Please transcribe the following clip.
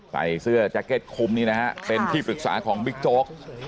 ใกล้เสื้อแจ็กเก็ตคุมเป็นที่ปรึกษาของมิคโก้ค